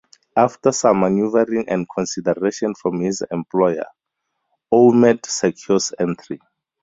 After some maneuvering and consideration from his employer, Ouimet secures entry.